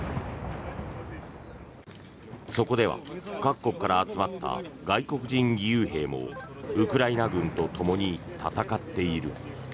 そこでは各国から集まった外国人義勇兵もウクライナ軍とともに戦っている。